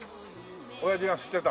親父が吸ってた。